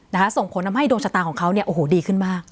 ส่งผลทำให้ดวงชะตาของเขาเนี่ยโอ้โหดีขึ้นมาก